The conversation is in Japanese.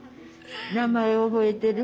名前覚えてる？